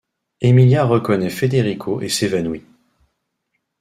Emilia reconnaît Federico et s'évanouit.